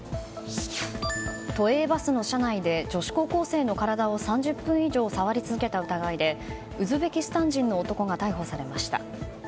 都営バスの車内で女子高校生の体を３０分以上触り続けた疑いでウズベキスタン人の男が逮捕されました。